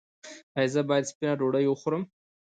ایا زه باید سپینه ډوډۍ وخورم؟